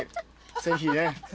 ぜひね。